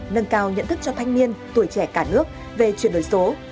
nâng cao nhận thức cho thanh niên tuổi trẻ cả nước về chuyển đổi số